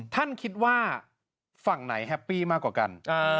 ท่านคิดว่าฝั่งไหนแฮปปี้มากกว่ากัน